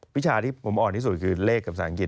วิชาที่ผมอ่อนที่สุดคือเลขกับภาษาอังกฤ